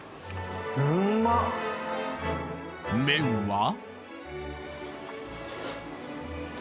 麺は？